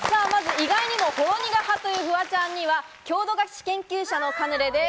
意外にもほろにが派というフワちゃんには郷土菓子研究社のカヌレです。